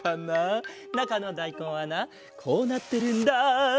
なかのだいこんはなこうなってるんだ。